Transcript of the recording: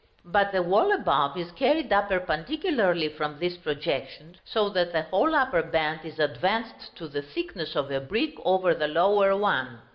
But the wall above is carried up perpendicularly from this projection, so that the whole upper band is advanced to the thickness of a brick over the lower one.